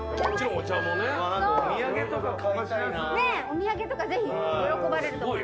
お土産とかぜひ喜ばれると思います。